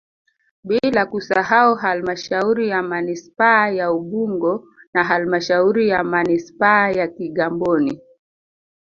Bila kusahau halmashauri ya manispaa ya Ubungo na halmashauri ya manispaa ya Kigamboni